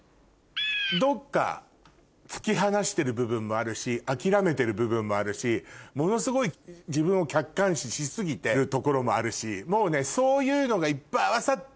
どっか突き放してる部分もあるし諦めてる部分もあるしものすごい自分を客観視し過ぎてるところもあるしもうね。